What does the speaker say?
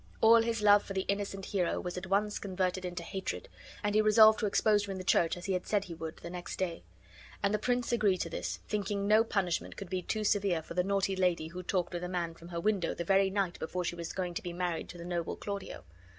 All his love for the innocent Hero was at once converted into hatred, and he resolved to expose her in the church, as he had said he would, the next day; and the prince agreed to this, thinking no punishment could be too severe for the naughty lady who talked with a man from her window the very night before she was going to be married to the noble Claudio.